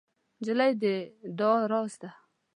نجلۍ د دعا راز ده.